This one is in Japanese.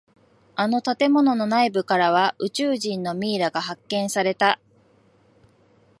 あの建物の内部からは宇宙人のミイラが発見された。